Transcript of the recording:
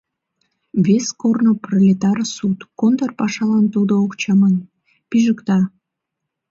Вес корно — пролетар суд, контр пашалан тудо ок чамане — пижыкта.